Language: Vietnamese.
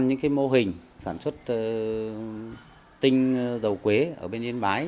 những mô hình sản xuất tinh dầu quế ở bên yên bái